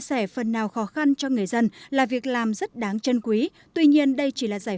sẻ phần nào khó khăn cho người dân là việc làm rất đáng chân quý tuy nhiên đây chỉ là giải